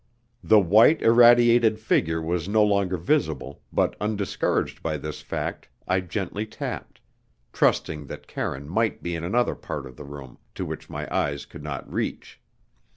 The white irradiated figure was no longer visible, but undiscouraged by this fact I gently tapped, trusting that Karine might be in another part of the room to which my eyes could not reach.